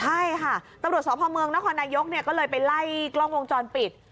ใช่ค่ะตรวจสอบพระเมืองนครนายกเนี่ยก็เลยไปไล่กล้องมงจรปิด